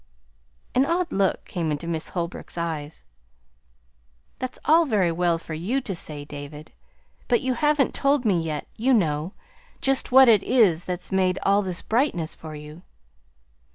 An odd look came into Miss Holbrook's eyes. "That's all very well for you to say, David, but you haven't told me yet, you know, just what it is that's made all this brightness for you."